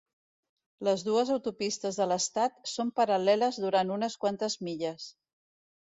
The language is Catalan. Les dues autopistes de l'estat són paral·leles durant unes quantes milles.